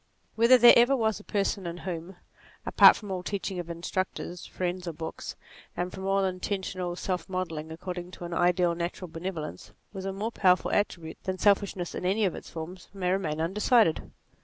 Whether there ever was a person in whom, apart from all teaching of instructors, friends or books, and from all inten tional self modelling according to an ideal, natural benevolence was a more powerful attribute than self ishness in any of its forms, may remain undecided.